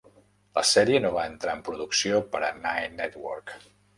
La sèrie no va entrar en producció per a Nine Network.